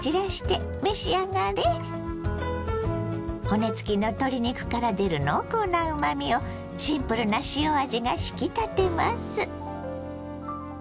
骨付きの鶏肉から出る濃厚なうまみをシンプルな塩味が引き立てます。